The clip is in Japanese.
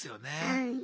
はい。